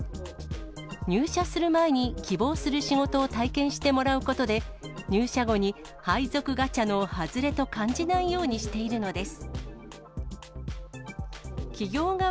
入社する前に希望する仕事を体験してもらうことで、入社後に配属ガチャの外れと感じないようにしているのです。